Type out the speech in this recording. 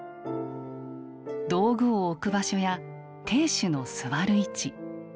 道具を置く場所や亭主の座る位置。